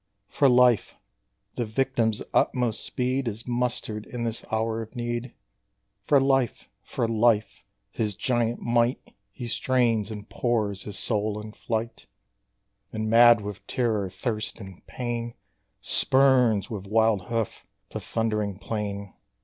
For life the victim's utmost speed Is mustered in this hour of need: For life for life his giant might He strains, and pours his soul in flight: And mad with terror, thirst and pain, Spurns with wild hoof the thundering plain.